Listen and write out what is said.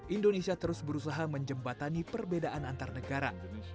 indonesia terus berusaha menjembatani perbedaan antar negara